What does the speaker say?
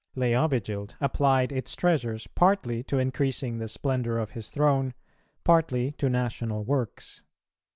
Leovigild applied[277:2] its treasures partly to increasing the splendour of his throne, partly to national works.